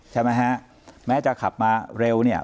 ใช่ไหมฮะแม้จะขับมาเร็วเนี่ย